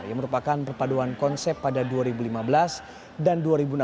yang merupakan perpaduan konsep pada dua ribu lima belas dan dua ribu enam belas